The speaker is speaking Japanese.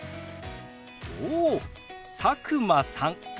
おお佐久間さんですね。